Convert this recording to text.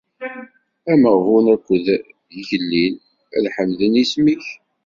Ameɣbun akked yigellil ad ḥemden isem-ik.